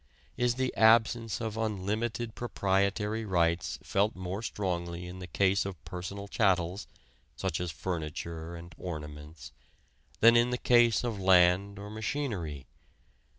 Is the absence of unlimited proprietary rights felt more strongly in the case of personal chattels (such as furniture and ornaments) than in the case of land or machinery?